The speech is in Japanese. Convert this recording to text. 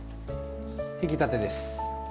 引きたてです。